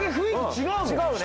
違うね。